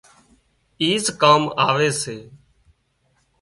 ايز ڪام آوي سي